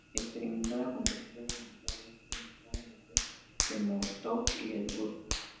Experimentada compositora y guitarrista inspirada en el soul de Motown y el blues.